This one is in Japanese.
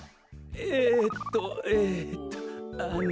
えっとえっとあの。